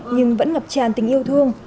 nhưng vẫn ngập tràn tình yêu thương